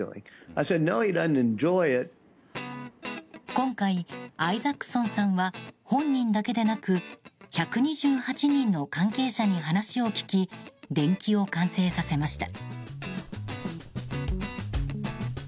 今回、アイザックソンさんは本人だけでなく１２８人の関係者に話を聞き伝記を完成させました。